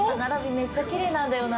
めっちゃきれいなんだよな。